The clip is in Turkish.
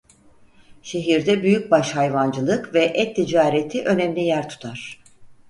Şehirde büyükbaş hayvancılık ve et ticareti önemli yer tutar.